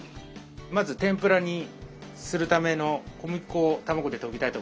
まず天ぷらにするための小麦粉を卵で溶きたいと思います。